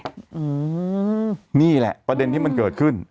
อืมนี่แหละประเด็นที่มันเกิดขึ้น